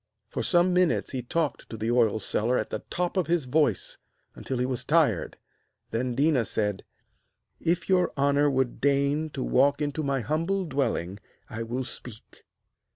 For some minutes he talked to the oil seller at the top of his voice, until he was tired, then Déna said: 'If your honour would deign to walk into my humble dwelling, I will speak.'